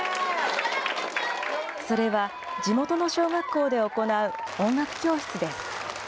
それは地元の小学校で行う音楽教室です。